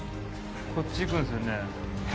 こっち行くんですよね。